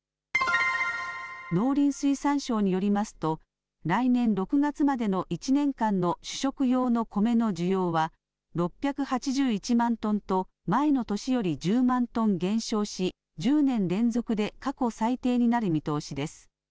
農林水産省によりますと、来年６月までの１年間の主食用のコメの需要は、６８１万トンと、前の年より１０万トン減少し、１０年連続で過去最低になる見通しです。